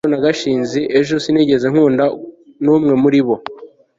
nahuye na rugeyo na gashinzi ejo sinigeze nkunda n'umwe muri bo